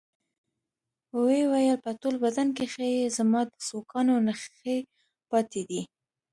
ويې ويل په ټول بدن کښې يې زما د سوکانو نخښې پاتې دي.